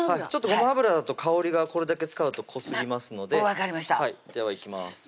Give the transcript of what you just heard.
ちょっとごま油だと香りがこれだけ使うと濃すぎますのでではいきます